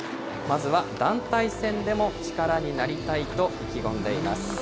まずは団体戦でも力になりたいと意気込んでいます。